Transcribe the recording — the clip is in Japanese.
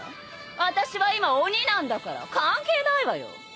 あたしは今鬼なんだから関係ないわよ。